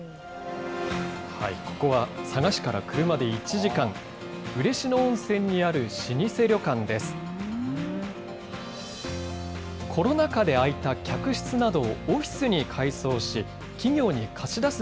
ここは佐賀市から車で１時間、嬉野温泉にある老舗旅館です。